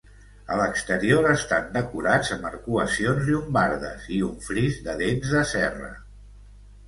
A l'exterior estan decorats amb arcuacions llombardes i un fris de dents de serra.